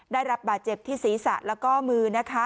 ได้รับบาดเจ็บที่ศีรษะและมือ